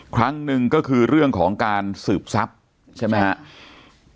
ครั้งหนึ่งก็คือเรื่องของการสืบทรัพย์ใช่ไหมครับ